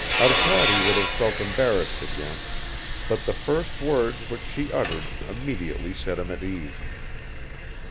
Arkady would have felt embarrassed again, but the first words which she uttered immediately set him at ease.